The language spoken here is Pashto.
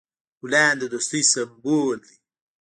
ګلان د دوستی سمبول دي.